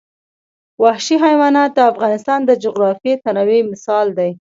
وحشي حیوانات د افغانستان د جغرافیوي تنوع مثال دی.